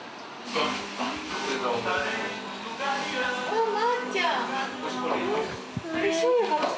あっまーちゃん。